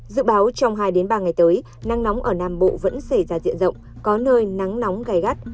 dự báo trong hai ba ngày tới nắng nóng ở nam bộ vẫn xảy ra diện rộng có nơi nắng nóng gai gắt